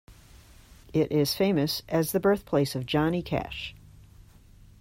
It is famous as the birthplace of Johnny Cash.